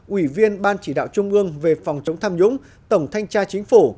ủy viên ban chỉ đạo trung ương về phòng chống tham nhũng tổng thanh tra chính phủ